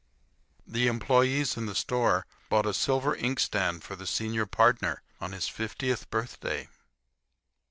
The employees in the store bought a silver inkstand for the senior partner on his fiftieth birthday.